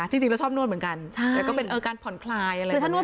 จริงแล้วชอบนวดเหมือนกันแต่ก็เป็นการผ่อนคลายอะไร